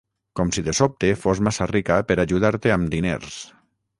Com si de sobte fos massa rica per ajudar-te amb diners.